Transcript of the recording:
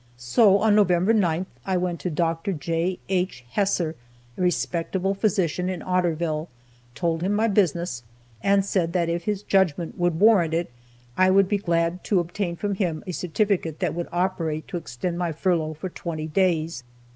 So, on November 9th, I went to Dr. J. H. Hesser, a respectable physician of Otterville, told him my business, and said that if his judgment would warrant it, I would be glad to obtain from him a certificate that would operate to extend my furlough for twenty days.